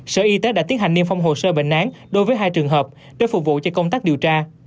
sở y tế đã tiến hành niêm phong hồ sơ bệnh án đối với hai trường hợp để phục vụ cho công tác điều tra